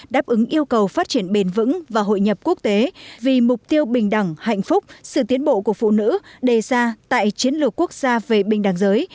đáp ứng yêu cầu phát triển bền vững và hội nhập quốc tế vì mục tiêu bình đẳng hạnh phúc sự tiến bộ của phụ nữ đề ra tại chiến lược quốc gia về bình đẳng giới